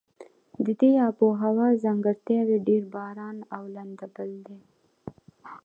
د دې آب هوا ځانګړتیاوې ډېر باران او لنده بل دي.